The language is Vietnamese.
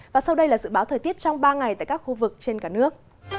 và sau đây là dự báo thời tiết trong ba ngày tại các khu vực trên cả nước